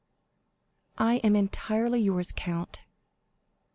50233m "I am entirely yours, count."